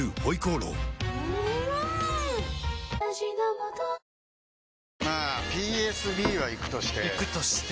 まあＰＳＢはイクとしてイクとして？